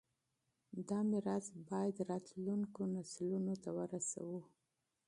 دا میراث باید راتلونکو نسلونو ته ورسوو.